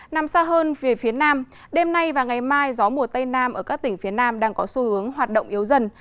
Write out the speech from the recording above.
nằm xa hơn về phía nam đêm nay và ngày mai gió mùa tây nam ở các tỉnh phía nam đang có xu hướng hoạt động yếu dần